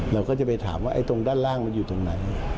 เราก็จะไปถามว่าตรงด้านล่างมันอยู่ตรงไหน